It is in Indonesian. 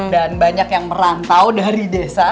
dan banyak yang merantau dari desa